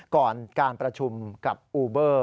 ก่อนการประชุมกับอูเบอร์